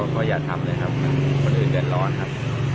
ก็อย่าทำเลยครับคนอื่นเดือดร้อนครับ